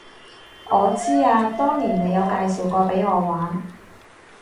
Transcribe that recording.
我知啊，當年你有介紹過畀我玩